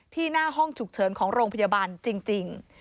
หน้าห้องฉุกเฉินของโรงพยาบาลจริง